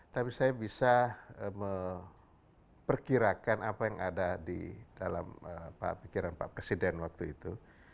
tapi saya bisa memperkirakan apa yang ada di dalam pikiran pak presiden waktu itu